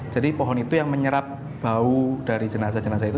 jadi pohon itu yang menyerap bau dari jenazah jenazah itu